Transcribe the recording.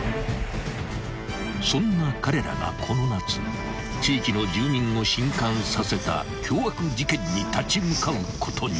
［そんな彼らがこの夏地域の住民を震撼させた凶悪事件に立ち向かうことに］